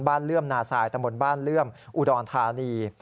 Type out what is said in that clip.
บ้านเลื่อมนาซายตมบ้านเลื่อมอุดรธานี